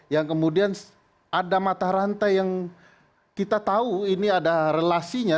yang kemudian ada mata rantai yang kita tahu ini ada relasinya